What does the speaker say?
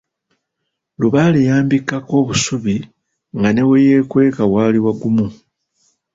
Lubaale yambikkako obusubi, nga ne we yeekweka waali wagumu.